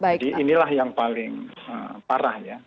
jadi inilah yang paling parah ya